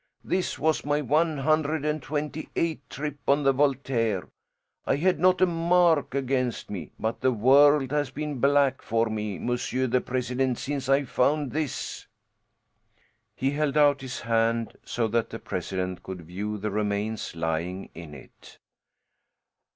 This was my one hundred and twenty eighth trip on the Voltaire. I had not a mark against me. But the world has been black for me, monsieur the president, since I found this." He held out his hand so that the president could view the remains lying in it.